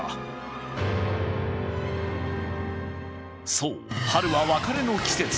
そう、春は別れの季節。